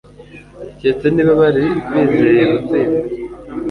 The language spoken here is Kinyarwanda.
keretse niba bari bizeye gutsinda